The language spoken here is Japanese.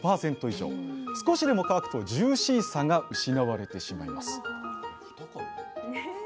少しでも乾くとジューシーさが失われてしまいます